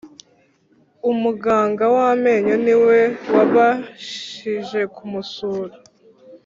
umuganga w amenyo niwe wabashije kumusura